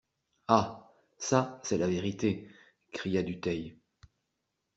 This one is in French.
Ah ! ça, c'est la vérité, cria Dutheil.